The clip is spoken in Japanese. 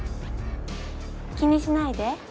気にしないで。